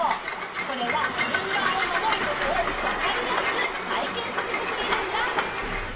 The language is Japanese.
これはじゅんばんをまもることをわかりやすくたいけんさせてくれるんだ。